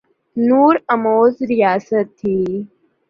نو آموز ریاست تھی۔